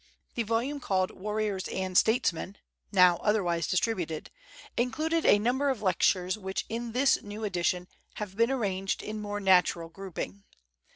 The volume called "Warriors and Statesmen" (now otherwise distributed) included a number of lectures which in this new edition have been arranged in more natural grouping.